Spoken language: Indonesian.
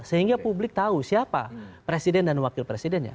sehingga publik tahu siapa presiden dan wakil presidennya